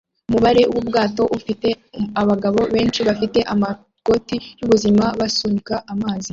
Umubare wubwato ufite abagabo benshi bafite amakoti yubuzima basunika amazi